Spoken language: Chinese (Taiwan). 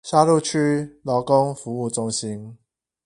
沙鹿區勞工服務中心